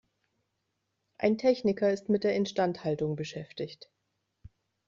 Ein Techniker ist mit der Instandhaltung beschäftigt.